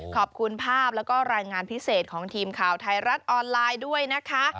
ขอบคุณภาพแล้วก็รายงานพิเศษของทีมข่าวไทยรัฐออนไลน์ด้วยนะคะ